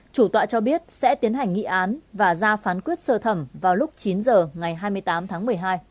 chủ tọa cho biết sẽ tiến hành nghị án và ra phán quyết sơ thẩm vào lúc chín h ngày hai mươi tám tháng một mươi hai